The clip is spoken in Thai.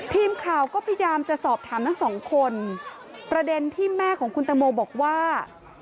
ทีมข่าวก็พยายามจะสอบถามทั้งสองคนประเด็นที่แม่ของคุณตังโมบอกว่า